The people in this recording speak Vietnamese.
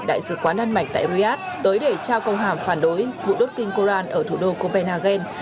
đại sứ quán đan mạch tại riyadh tới để trao công hàm phản đối vụ đốt kinh koran ở thủ đô copenhagen